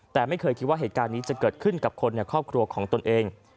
แต่ไม่เคยคิดว่าเหตุการณ์นี้จะเกิดขึ้นกับคนในครอบครัวของตนเอง